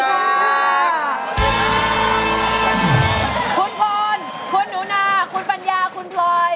คุณพรคุณหนูนาคุณปัญญาคุณพลอย